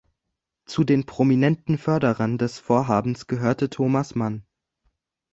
Zu den prominenten Förderern des Vorhabens gehörte Thomas Mann.